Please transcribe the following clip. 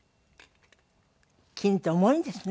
金って重いんですね。